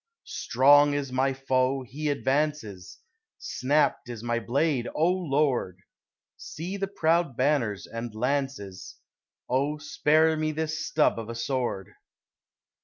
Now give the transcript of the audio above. Strong is my foe he advances! Snapt is my blade, O Lord! See the proud banners and lances! Oh, spare me this stub of a sword!